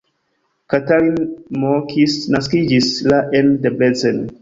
Katalin M. Kiss naskiĝis la en Debrecen.